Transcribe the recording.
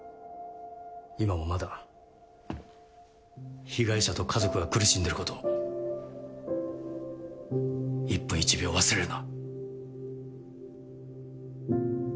今もまだ被害者と家族が苦しんでること１分１秒忘れるな。